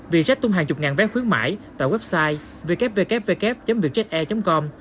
vietjet tung hàng chục ngàn vé khuyến mãi tại website www vietjetair com